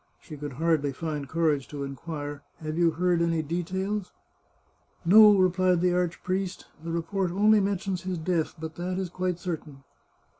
She could hardly find courage to inquire, " Have you heard any details ?"" No," replied the archpriest, " the report only mentions his death ; but that is quite certain."